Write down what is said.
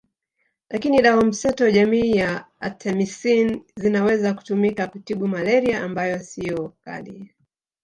Lakini dawa mseto jamii ya Artemisin zinaweza kutumika kutibu malaria ambayo siyo kali